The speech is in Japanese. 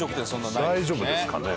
大丈夫ですかね？